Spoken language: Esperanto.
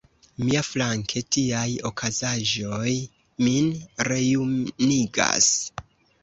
Miaflanke, tiaj okazaĵoj min rejunigas.